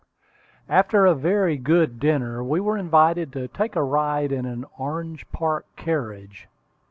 After a very good dinner, we were invited to take a ride in an Orange Park carriage.